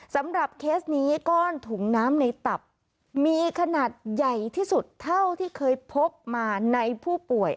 เคสนี้ก้อนถุงน้ำในตับมีขนาดใหญ่ที่สุดเท่าที่เคยพบมาในผู้ป่วย